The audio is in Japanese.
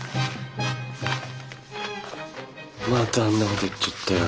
またあんなこと言っちゃったよ。